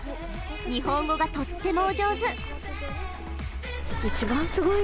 日本語がとってもお上手。